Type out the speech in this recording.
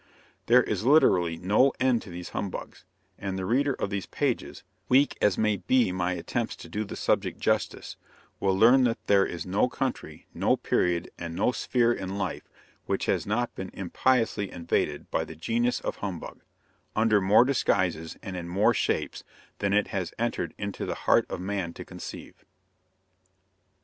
There is literally no end to these humbugs; and the reader of these pages, weak as may be my attempts to do the subject justice, will learn that there is no country, no period, and no sphere in life which has not been impiously invaded by the genius of humbug, under more disguises and in more shapes than it has entered into the heart of man to conceive.